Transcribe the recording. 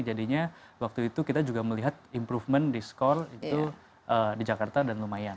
jadinya waktu itu kita juga melihat improvement di skor itu di jakarta dan lumayan